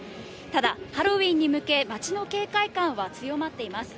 ただハロウィーンに向け、待ちの警戒感は強まっています。